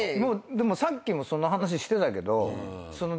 さっきもその話してたけど。